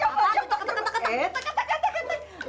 eh ketuk ketuk ketuk